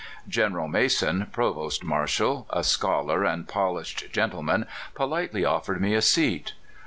General Mason, provost marshal, a scholar and polished gentleman, politely offered me a seat.